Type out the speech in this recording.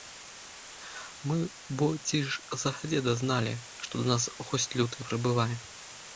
Мы бо ці ж загадзе дазналі, што да нас госць люты прыбывае?!